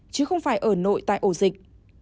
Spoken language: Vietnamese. chứ không phải ở nội tại ổ dịch